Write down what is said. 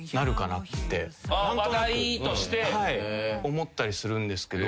思ったりするんですけど。